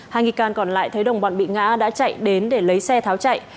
hai nghi can còn lại thấy đồng bọn bị ngã đã chạy đến để lấy xe tháo chạy